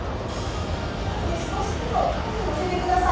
少しずつお顔にのせてください。